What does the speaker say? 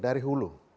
dari hulu sampai hilang